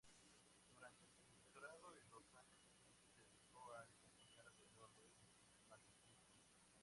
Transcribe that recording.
Durante su doctorado y los años siguientes se dedicó a investigar alrededor del magnetismo.